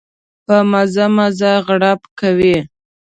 په مزه مزه غړپ کوي.